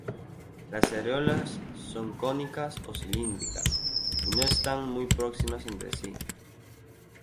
Las areolas son cónicas o cilíndricas y no están muy próximas entre sí.